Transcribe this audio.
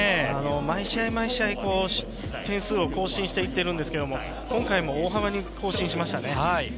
毎試合毎試合、点数を更新していってるんですけど今回も大幅に更新しましたね。